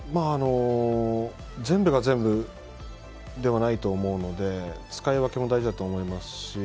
全部が全部ではないと思うので使い分けも大事だと思いますし。